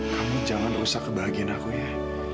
kamu jangan rusak kebahagiaan aku ya